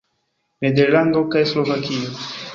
Nederlando kaj Slovakio.